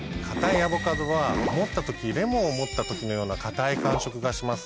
アボカドは持った時レモンを持った時のような硬い感触がします。